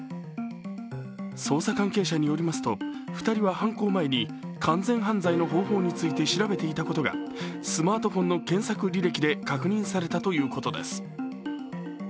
捜査関係者によりますと２人は犯行前に完全犯罪の方法について調べていたことがスマートフォンの検索履歴で確認されたということです。